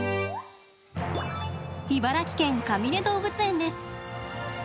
茨城県かみね動物園です。